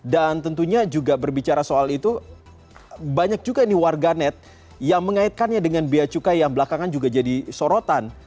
dan tentunya juga berbicara soal itu banyak juga ini warganet yang mengaitkannya dengan biaya cukai yang belakangan juga jadi sorotan